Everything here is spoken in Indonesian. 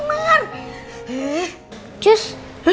gemoy ini baloknya udah